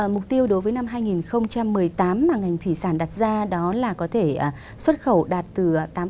mục tiêu đối với năm hai nghìn một mươi tám mà ngành thủy sản đặt ra đó là có thể xuất khẩu đạt từ tám năm cho đến chín tỷ usd